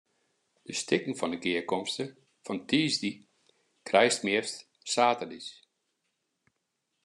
De stikken foar de gearkomste fan tiisdei krijst meast saterdeis.